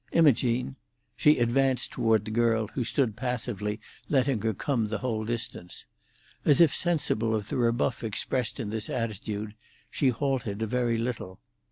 Imogene!" She advanced toward the girl, who stood passively letting her come the whole distance. As if sensible of the rebuff expressed in this attitude, she halted a very little.